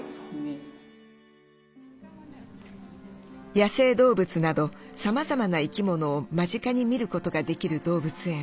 野生動物などさまざまな生き物を間近に見ることができる動物園。